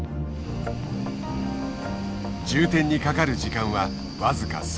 充填にかかる時間は僅か３分。